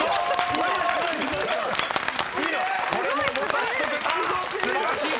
すごーい！